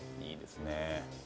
いいですね。